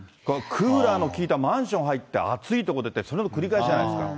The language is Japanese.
クーラーの効いたマンション入って、暑いとこ出て、それの繰り返しじゃないですか。